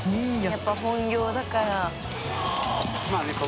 やっぱ本業だから。